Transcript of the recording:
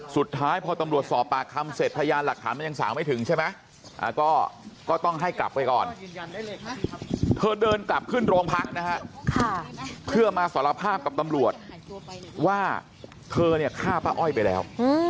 สุดท้ายพอตำรวจสอบปากคำเสร็จพยานหลักฐานมันยังสาวไม่ถึงใช่ไหมก็ต้องให้กลับไปก่อนเธอเดินกลับขึ้นโรงพักนะฮะเพื่อมาสารภาพกับตำรวจว่าเธอเนี่ยฆ่าป้าอ้อยไปแล้ว